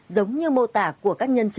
giống như mô tả của các nhân chí